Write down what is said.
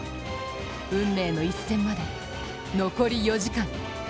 運命の一戦まで、残り４時間。